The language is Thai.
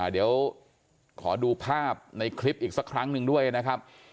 เดี๋ยวขอดูภาพในคลิปอีกสักครั้งหนึ่งด้วยนะครับ